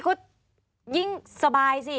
ก็ยิ่งสบายสิ